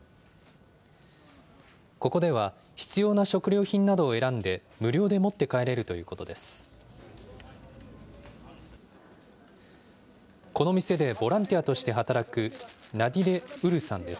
ここでは、必要な食料品などを選んで無料で持って帰れるということです。